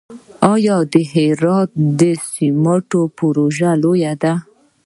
آیا د هرات د سمنټو پروژه لویه ده؟